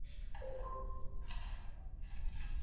Fueron enviadas estas dos religiosas junto a otras siete.